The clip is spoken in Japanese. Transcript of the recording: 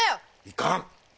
いかん。